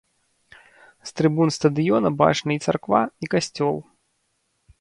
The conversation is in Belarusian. З трыбун стадыёна бачны і царква, і касцёл.